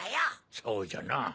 そうじゃなぁ。